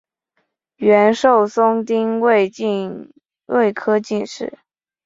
阮寿松丁未科进士。